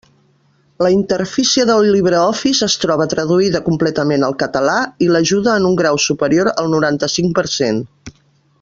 La interfície del LibreOffice es troba traduïda completament al català i l'ajuda en un grau superior al noranta-cinc per cent.